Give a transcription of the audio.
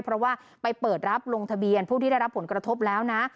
เพราะว่าไปเปิดรับลงทะเบียนผู้ที่ได้รับผลกระทบแล้วนะ